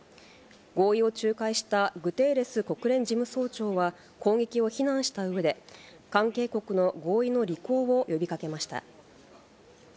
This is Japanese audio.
合意を仲介したグテーレス国連事務総長は、攻撃を非難したうえで、関係国の合意の履行を呼びかけました。